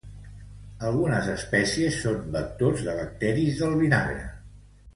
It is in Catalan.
Algunes espècies són vectors de bacteris del vinagre.